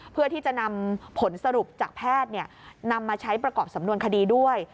เพื่อที่จะนำผลสรุปจากแพทย์นำมาใช้ประกอบสำนวนคดีด้วย